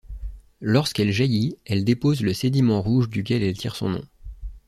Lorsqu'elle jaillit, elle dépose le sédiment rouge duquel elle tire son nom.